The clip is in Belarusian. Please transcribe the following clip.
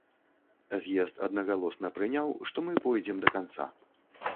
З'езд аднагалосна прыняў, што мы пойдзем да канца.